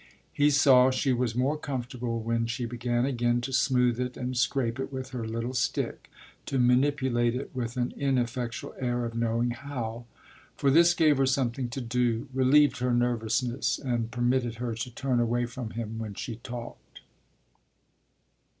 He saw she was more comfortable when she began again to smooth it and scrape it with her little stick, to manipulate it with an ineffectual air of knowing how; for this gave her something to do, relieved her nervousness and permitted her to turn away from him when she talked.